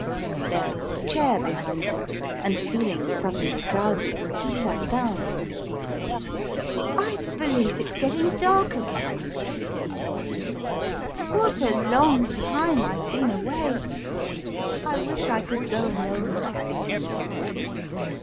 There was a chair behind him, and feeling suddenly drowsy, he sat down. " I believe it's getting dark again," he thought ; "what a long time I've been away! I wish I could go home."